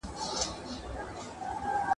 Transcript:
او زوی په بڼه کي دیوتاگان را منځته سول